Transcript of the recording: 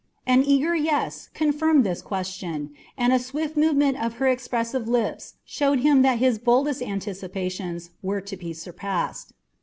An eager "Yes" confirmed this question, and a swift movement of her expressive lips showed him that his boldest anticipations were to be surpassed.